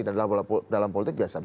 dalam politik biasa